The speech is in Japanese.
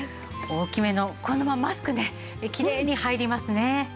大きめのこのままマスクねきれいに入りますね。